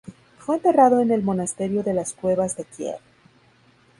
Fue enterrado en el Monasterio de las Cuevas de Kiev.